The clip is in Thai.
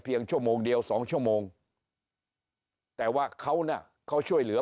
ชั่วโมงเดียวสองชั่วโมงแต่ว่าเขาน่ะเขาช่วยเหลือ